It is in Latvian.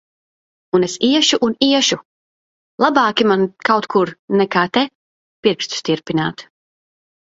Un es iešu un iešu! Labāki man kaut kur, nekā te, pirkstus tirpināt.